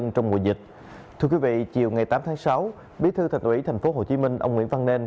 thưa quý vị chiều ngày tám tháng sáu bí thư thành ủy tp hcm ông nguyễn văn nên